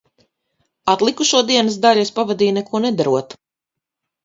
Atlikušo dienas daļu es pavadīju neko nedarot.